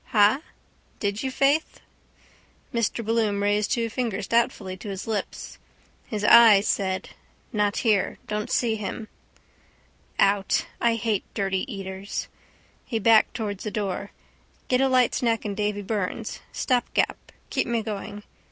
Ha? Did you, faith? Mr Bloom raised two fingers doubtfully to his lips. His eyes said: —Not here. Don't see him. Out. I hate dirty eaters. He backed towards the door. Get a light snack in Davy Byrne's. Stopgap. Keep me going.